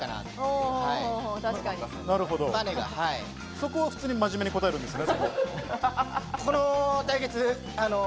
そこは普通に答えるんですね。